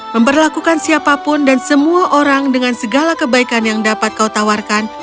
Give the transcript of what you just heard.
memperlakukan siapapun dan semua orang dengan segala kebaikan yang dapat kau tawarkan